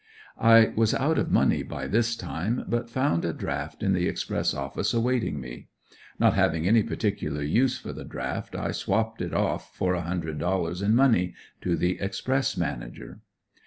I was out of money by this time, but found a draft in the express office awaiting me. Not having any particular use for the draft I swapped it off for a hundred dollars in money, to the express manager.